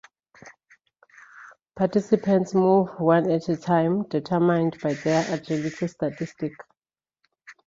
Participants move one at a time determined by their agility statistic.